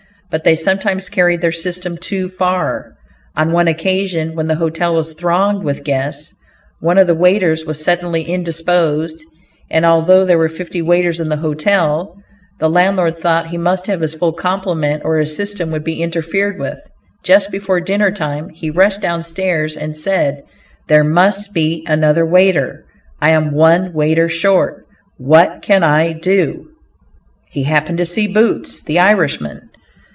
But they sometimes carried their system too far. On one occasion, when the hotel was thronged with guests, one of the waiters was suddenly indisposed, and although there were fifty waiters in the hotel, the landlord thought he must have his full complement, or his "system" would be interfered with. Just before dinner time, he rushed down stairs and said, "There must be another waiter, I am one waiter short, what can I do?" He happened to see "Boots," the Irishman.